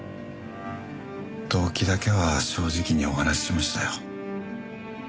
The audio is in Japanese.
動機だけは正直にお話ししましたよ。